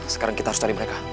sekarang kita harus cari mereka